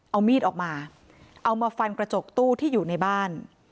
เอามีดออกมาเอามาฟันกระจกตู้ที่อยู่ในบ้าน